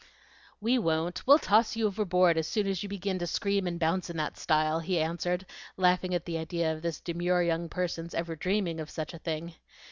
"We won't; we'll toss you overboard as soon as you begin to scream and bounce in that style," he answered, laughing at the idea of this demure young person's ever dreaming of such a thing.